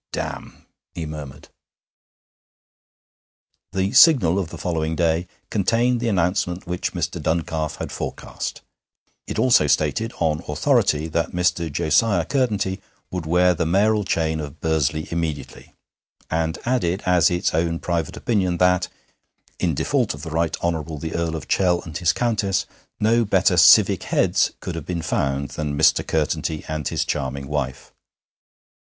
'Damn!' he murmured. III The Signal of the following day contained the announcement which Mr. Duncalf had forecast; it also stated, on authority, that Mr. Josiah Curtenty would wear the mayoral chain of Bursley immediately, and added as its own private opinion that, in default of the Right Honourable the Earl of Chell and his Countess, no better 'civic heads' could have been found than Mr. Curtenty and his charming wife.